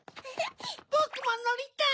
ぼくものりたい！